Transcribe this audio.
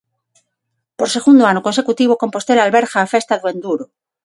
Por segundo ano consecutivo, Compostela alberga a festa do enduro.